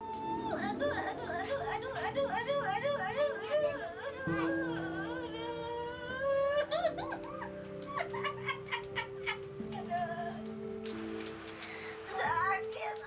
aduh aduh aduh aduh aduh aduh aduh aduh aduh aduh aduh aduh aduh aduh aduh aduh